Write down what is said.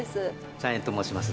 茶圓と申します。